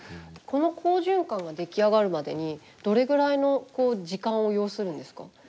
この好循環が出来上がるまでにどれぐらいの時間を要するんですか？